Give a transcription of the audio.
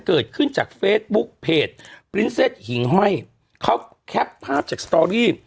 เขาแคปภาพจากสตอรี่